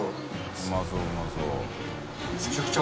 うまそううまそう。